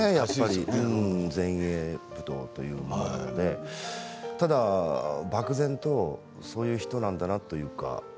前衛舞踏というものでただ漠然とそういう人なんだなというか。